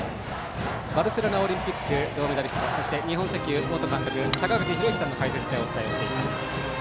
バルセロナオリンピック銅メダリスト日本石油元監督の坂口裕之さんの解説でお伝えをしています。